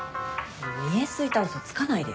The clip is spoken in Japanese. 見え透いた嘘つかないでよ。